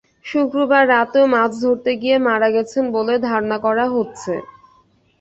শুক্রবার রাতেও মাছ ধরতে গিয়ে মারা গেছেন বলে ধারণা করা হচ্ছে।